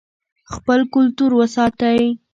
خپل کلتور وساتئ.